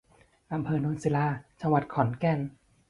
อำเภอโนนศิลา จังหวัดขอนแก่น